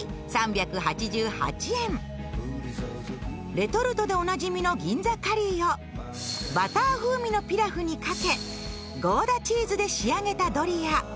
レトルトでおなじみの銀座カリーをバター風味のピラフにかけ、ゴーダチーズで仕上げたドリア。